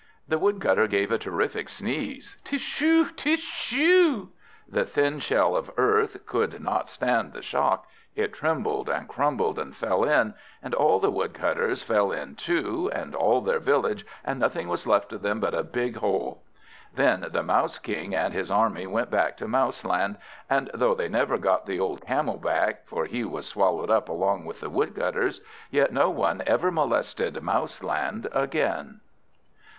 The Woodcutter gave a terrific sneeze, Tishoo! Tishoo! The thin shell of earth could not stand the shock; it trembled, and crumbled, and fell in, and all the Woodcutters fell in too, and all their village, and nothing was left of them but a big hole. Then the Mouse King and his army went back to Mouseland; and though they never got the old Camel back (for he was swallowed up along with the Woodcutters), yet no one ever molested Mouseland again.